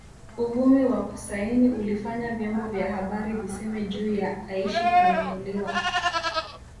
Uvumi wa kusaini ulifanya vyombo vya habari viseme juu ya Aishi kununuliwa